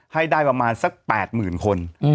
ให้ได้ประมาณสัก๘๐๐๐คน